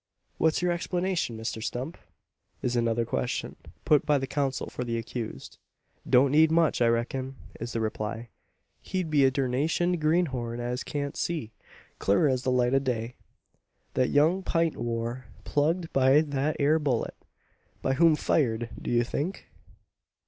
"What's your explanation, Mr Stump?" is another question put by the counsel for the accused. "Don't need much, I reck'n," is the reply. "He'd be a durnationed greenhorn as can't see, clur as the light o' day, thet young Peint war plugged by thet ere bullet." "By whom fired, do you think?"